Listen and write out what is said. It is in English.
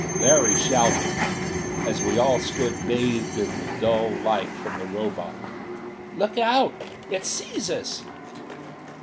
Larry shouted, as we all stood bathed in the dull light from the Robot: "Look out! It sees us!"